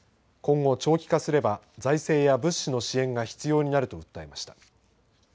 今後、長期化すれば財政や物資の支援が必要になると訴えました。